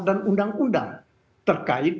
dan undang undang terkait